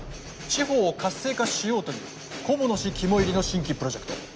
地方を活性化しようという菰野氏肝いりの新規プロジェクト。